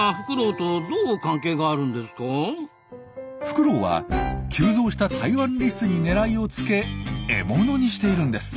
フクロウは急増したタイワンリスに狙いをつけ獲物にしているんです。